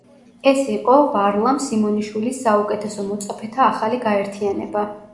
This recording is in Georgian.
ეს იყო ვარლამ სიმონიშვილის საუკეთესო მოწაფეთა ახალი გაერთიანება.